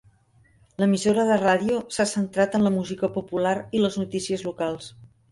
L'emissora de ràdio s'ha centrat en la música popular i les notícies locals.